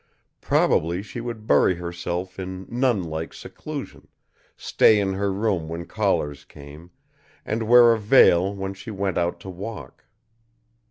Probably she would bury herself in nunlike seclusion, stay in her room when callers came, and wear a veil when she went out to walk.